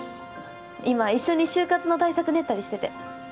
今一緒に就活の対策練ったりしてて。